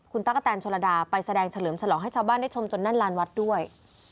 คุณตั๊กกะแตนชนระดาไปแสดงเฉลิมฉลองให้ชาวบ้านได้ชมจนแน่นลานวัดด้วย